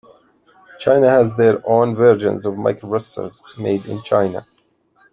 China has their own versions of microprocessors, "Made in China".